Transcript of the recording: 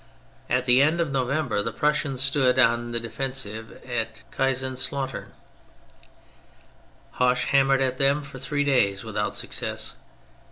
At the end of November the Prussians stood on the defensive at Kaiserslautem. Hoche hammered at them for three days without success.